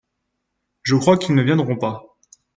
Je crois qu'ils ne viendront pas.